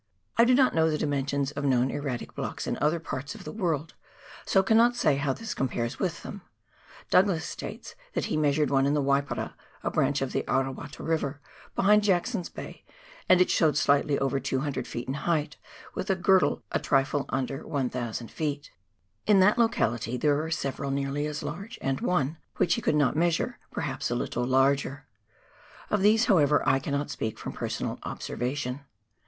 I do not know the dimensions of known erratic blocks in other parts of the world, so cannot say how this compares with them ; Douglas states that he measured one in the Waipara, a branch of the Arawata River behind Jackson's Bay, and it showed slightly over 200 ft. in height, with a girth a trifle under 1,000 ft. In that locality there are several nearly as large, and one, which he could not measure, perhaps a little larger. Of these, however, I cannot speak from per sonal observation.